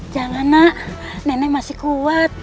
jangan nak nenek masih kuat